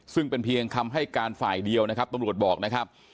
ซึ่งเป็นเพียงคำให้การฝ่ายเดียวนะครับตำรวจบอกนะครับ